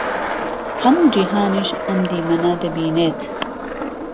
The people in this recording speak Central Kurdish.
ههموو جیهانیش ئهم دیمهنه دهبینێت